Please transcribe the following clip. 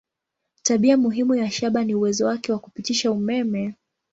Tabia muhimu ya shaba ni uwezo wake wa kupitisha umeme.